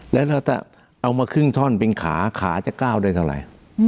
แล้วถ้าเอามาครึ่งท่อนเป็นขาขาจะก้าวได้เท่าไหร่